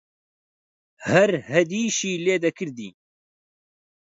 هەر هەیدیشی لێ دەکردین: